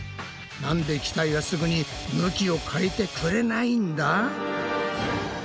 なんで機体はすぐに向きを変えてくれないんだ？